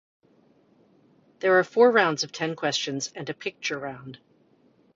There are four rounds of ten questions, and a picture round.